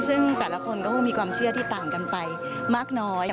ซึ่งแต่ละคนก็คงมีความเชื่อที่ต่างกันไปมากน้อย